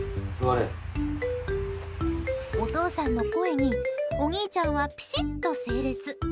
お父さんの声にお兄ちゃんはピシッと整列。